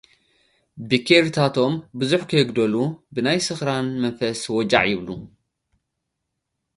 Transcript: ቢኬሪታቶም ብዙሕ ከይጎደሎ፡ ብናይ ስኽራን መንፈስ ወጃዕ ይብሉ።